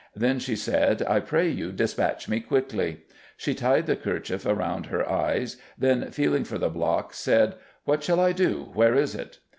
Then she sayd, 'I pray you despatch me quickly.' She tied the kercher about her eyes, then feeling for the block, saide, 'What shal I do, where is it?